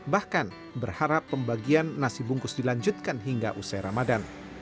bahkan berharap pembagian nasi bungkus dilanjutkan hingga usai ramadan